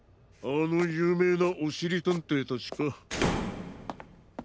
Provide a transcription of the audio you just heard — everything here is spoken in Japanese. あのゆうめいなおしりたんていたちか。